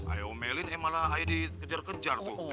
ayah om melin ayah malah dikejar kejar tuh